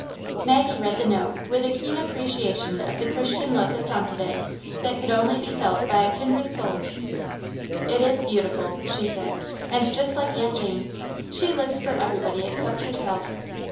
Maggie read the note with a keen appreciation of the Christian love that prompted it, that could only be felt by a kindred soul. "It is beautiful," she said, "and just like Aunt Jane. She lives for everybody except herself.